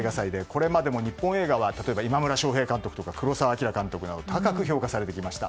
これまでも日本映画は例えば今村昌平監督とか黒澤明監督など高く評価されてきました。